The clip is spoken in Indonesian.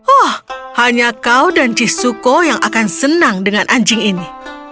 oh hanya kau dan cisuko yang akan senang dengan anjing ini